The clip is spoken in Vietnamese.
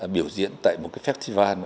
biểu diễn tại một cái festival